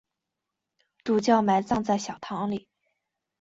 主教埋葬在小堂里。